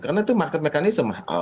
karena itu market mechanism